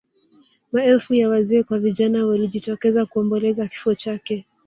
maelfu ya wazee kwa vijana walijitokeza kuomboleza kifo chake